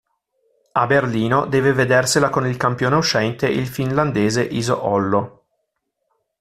A Berlino deve vedersela con il campione uscente, il finlandese Iso-Hollo.